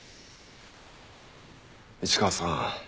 市川さん。